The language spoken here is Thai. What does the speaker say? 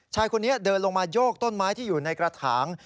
ชายคนนี้เดินลงมาโยกต้นไม้ที่อยู่ในกระถาง